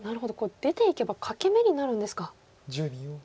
出ていけば欠け眼になるんですか。